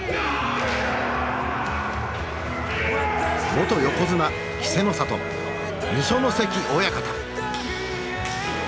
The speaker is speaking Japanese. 元横綱稀勢の里二所ノ関親方。